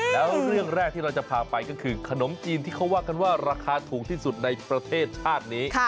แล้วเรื่องแรกที่เราจะพาไปก็คือขนมจีนที่เขาว่ากันว่าราคาถูกที่สุดในประเทศชาตินี้